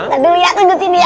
yaudah liat lanjutin ya